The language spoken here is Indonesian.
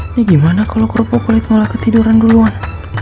ini gimana kalo kurokoli malah ketiduran duluan